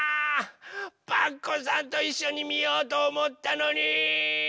パクこさんといっしょにみようとおもったのに！